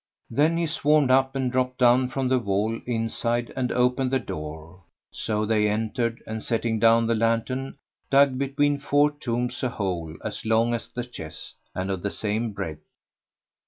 Then he swarmed up and dropped down from the wall inside and opened the door, so they entered and, setting down the lantern, dug between four tombs a hole as long as the chest and of the same breadth.